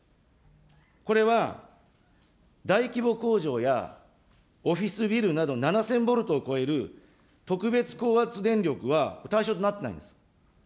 これは大規模工場やオフィスビルなど、７０００ボルトを超える特別高圧電力は対象となってないんです。